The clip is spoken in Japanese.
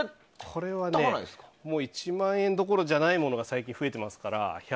これは１万円どころじゃないものが増えてますから。